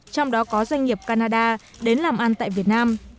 trong đó có doanh nghiệp canada đến làm ăn tại việt nam